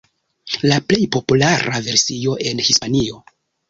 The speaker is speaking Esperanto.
La plej populara versio en Hispanio.